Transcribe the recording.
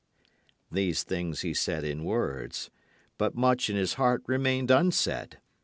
These things he said in words. But much in his heart remained unsaid.